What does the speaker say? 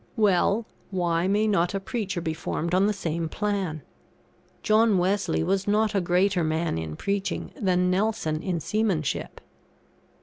Well, why may not a preacher be formed on the same plan? John Wesley was not a greater man in preaching, than Nelson in seamanship.